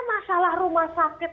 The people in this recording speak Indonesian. masalah rumah sakit